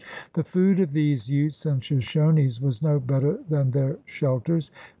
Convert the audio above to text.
The food of these Utes and Shoshonis was no better than their shelters.